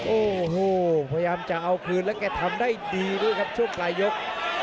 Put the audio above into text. โอ้โหพยายามจะเอาคืนแล้วแกทำได้ดีด้วยครับช่วงปลายยก